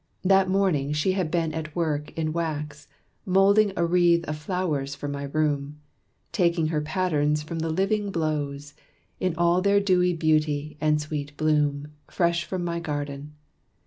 That morning she had been at work in wax, Molding a wreath of flowers for my room, Taking her patterns from the living blows, In all their dewy beauty and sweet bloom, Fresh from my garden.